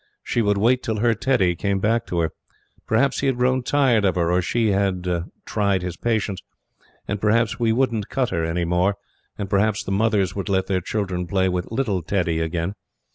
She would wait till her Teddy came back to her. Perhaps he had grown tired of her, or she had tried his patience, and perhaps we wouldn't cut her any more, and perhaps the mothers would let their children play with "little Teddy" again.